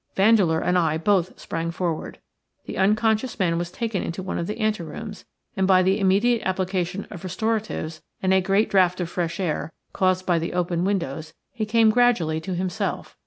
Vandeleur and I both sprang forward. The unconscious man was taken into one of the ante rooms, and by the immediate application of restoratives and a great draught of fresh air, caused by the open windows, he came gradually to himself.